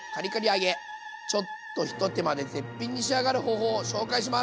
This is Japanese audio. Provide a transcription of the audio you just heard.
ちょっと一手間で絶品に仕上がる方法を紹介します！